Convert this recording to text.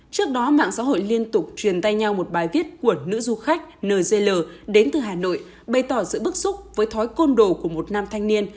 trước đó mạng xã hội liên tục truyền tay nhau một bài viết của nữ du khách nzl đến từ hà nội bày tỏ sự bức xúc với thói côn đồ của một nam thanh niên